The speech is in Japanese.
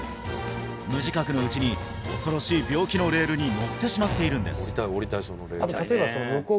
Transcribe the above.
無自覚のうちに恐ろしい病気のレールに乗ってしまっているんです